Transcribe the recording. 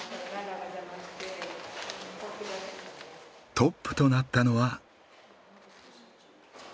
トップとなったのは。